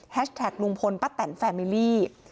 แท็กลุงพลป้าแตนแฟมิลลี่